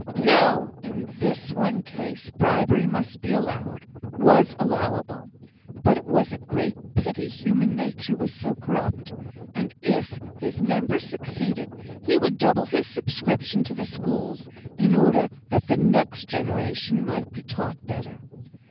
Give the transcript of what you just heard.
No! in this one case bribery must be allowed was allowable; but it was a great pity human nature was so corrupt, and if his member succeeded, he would double his subscription to the schools, in order that the next generation might be taught better.